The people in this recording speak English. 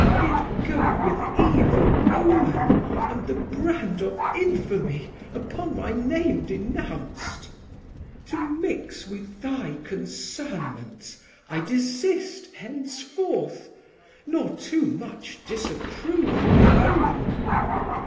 Bid go with evil omen and the brand Of infamy upon my name denounc't? To mix with thy concernments I desist Henceforth, nor too much disapprove my own.